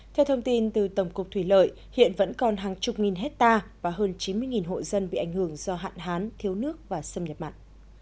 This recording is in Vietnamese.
theo thông tin từ tổng cục thủy lợi hiện vẫn còn hàng chục nghìn hectare và hơn chín mươi hộ dân bị ảnh hưởng do hạn hán thiếu nước và xâm nhập mặn